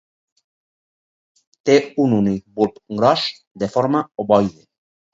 Té un únic bulb gros, de forma ovoide.